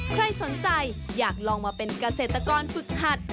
ใครสนใจอยากลองมาเป็นเกษตรกรฝึกหัด